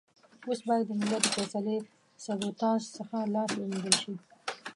اوس بايد د ملت د فيصلې سبوتاژ څخه لاس و مينځل شي.